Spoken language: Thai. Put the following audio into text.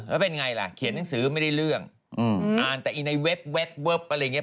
แล้วเป็นไงล่ะเขียนหนังสือไม่ได้เรื่องอ่านแต่อีในเว็บอะไรอย่างเง